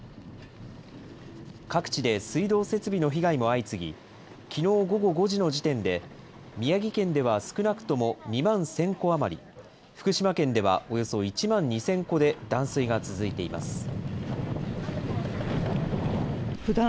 各地で水道設備の被害も相次ぎ、きのう午後５時の時点で、宮城県では少なくとも２万１０００戸余り、福島県ではおよそ１万２０００戸で断水が続いています。